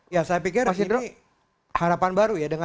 ya saya pikir ini harapan baru ya